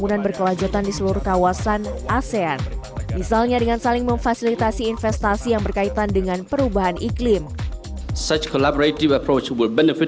untuk itu perlu diperhatikan